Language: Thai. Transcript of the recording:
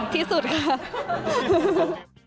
ที่สุดค่ะ